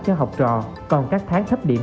cho học trò còn các tháng thấp điểm